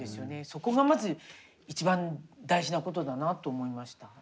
そこがまず一番大事なことだなと思いました。